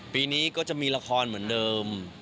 ปีนี้ก็จะมีละครเหมือนเดิม